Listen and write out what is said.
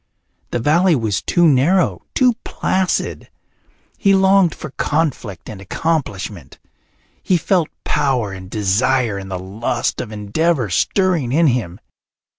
The valley was too narrow, too placid. He longed for conflict and accomplishment. He felt power and desire and the lust of endeavour stirring in him.